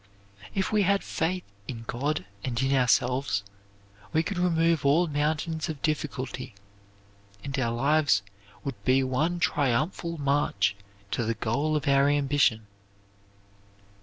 If we had faith in God and in ourselves we could remove all mountains of difficulty, and our lives would be one triumphal march to the goal of our ambition.